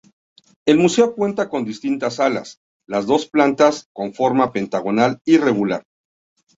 El museo cuenta con distintas salas, las dos plantas con forma pentagonal irregular.